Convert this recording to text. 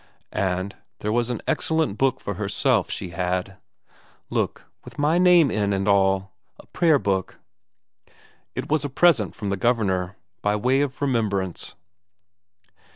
And there was an excellent book for herself, she had. "Look, with my name in and all. A prayer book." It was a present from the Governor, by way of remembrance.